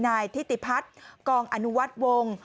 นายทฤษฎิพัฒณ์กองอนุวัติวงศ์